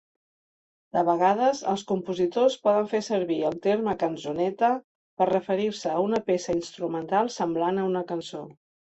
De vegades, els compositors poden fer servir el terme "canzonetta" per referir-se a una peça instrumental semblant a una cançó.